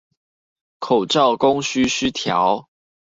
口罩供需失調